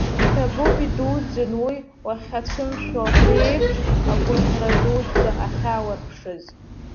Иҭабуп идуӡӡан уи уахьацәымшәо, абри аиԥш агәаӷьра дуӡӡа ахьааурԥшыз.